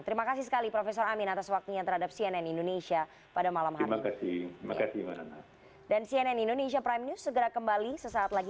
terima kasih sekali profesor amin atas waktunya terhadap cnn indonesia pada malam hari ini